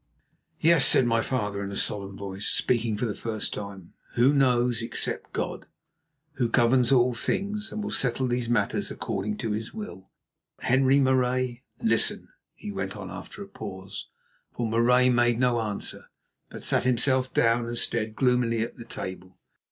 "Yes," said my father in a solemn voice, speaking for the first time, "who knows except God, Who governs all things, and will settle these matters according to His will, Henri Marais? Listen," he went on after a pause, for Marais made no answer, but sat himself down and stared gloomily at the table.